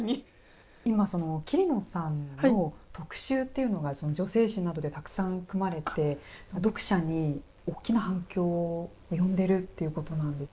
今、桐野さんの特集っていうのが女性誌などでたくさん組まれて読者に大きな反響を呼んでるっていうことなんで。